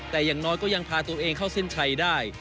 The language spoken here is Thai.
แต่อย่างน้อยก็ยังพาตัวเองเข้าเส้นชัยได้